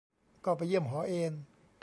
ก็ไปเยี่ยมหอเอน